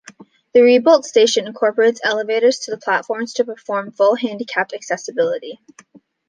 The rebuilt station incorporates elevators to the platforms to provide full handicapped accessibility.